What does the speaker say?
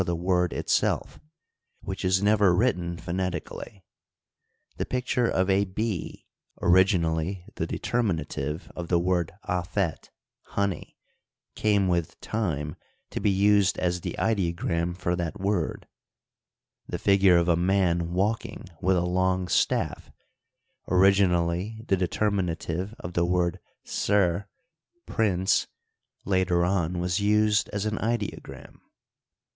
the word itself, which is never written phonetic ally ; the picture of a bee, originally the determinative of the word afet, " honey," came with time to be used as the ideogram for that word ; the figure of a man walking with a long staff, originally the determinative of the word ser, prince," later on was used as an ideogram.